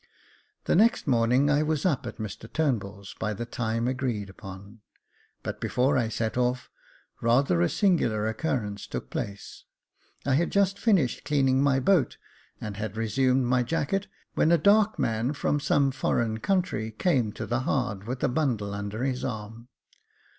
The next morning I was up at Mr Turnbull's by the time agreed upon, but before I set off, rather a singular occurrence took place. I had just finished cleaning my boat, and had resumed my jacket, when a dark man, from some foreign country, came to the hard with a bundle under his arm.